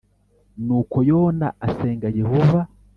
Nuko yona asenga yehova